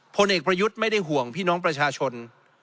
พลเอกประยุทธ์ไม่ได้ห่วงพี่น้องประชาชน